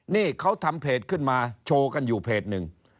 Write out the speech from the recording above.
นี่เขาทำเพจขึ้นมาโชว์กันอยู่เพจหนึ่ง